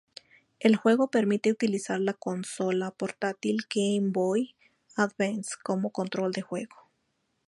El juego permite utilizar la consola portátil Game Boy Advance como control de juego.